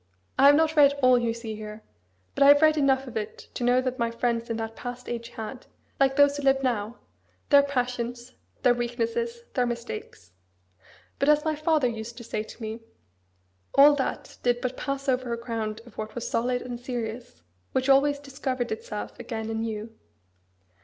I have not read all you see here. But I have read enough of it to know that my friends in that past age had, like those who live now, their passions, their weaknesses, their mistakes. But, as my father used to say to me, all that did but pass over a ground of what was solid and serious, which always discovered itself again anew.